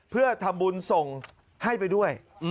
เพื่อทำบุญส่งให้ไปด้วย